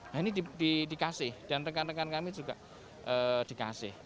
nah ini dikasih dan rekan rekan kami juga dikasih